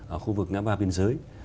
ở khu vực ngã ba biên giới